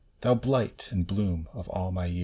Thou blight and bloom of all my years